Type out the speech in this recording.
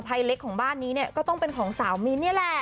เพราะคิดว่าเด็กของสาวมิ้นต์นี้แหละ